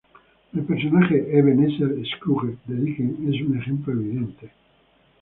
El personaje Ebenezer Scrooge de Dickens es un ejemplo evidente.